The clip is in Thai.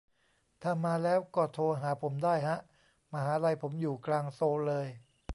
ถ้ามาแล้วก็โทรหาผมได้ฮะ มหาลัยผมอยู่กลางโซลเลย